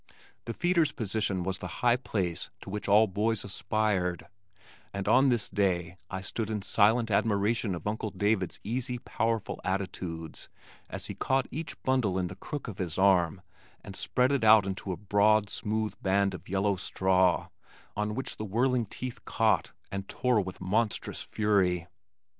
The feeder's position was the high place to which all boys aspired, and on this day I stood in silent admiration of Uncle David's easy powerful attitudes as he caught each bundle in the crook of his arm and spread it out into a broad, smooth band of yellow straw on which the whirling teeth caught and tore with monstrous fury.